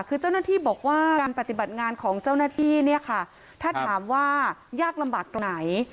คือเจ้าหน้าที่บอกว่าการปฏิบัติงานของเจ้าหน้าที่เนี่ยค่ะถ้าถามว่ายากลำบากตรงไหน